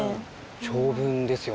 長文ですよ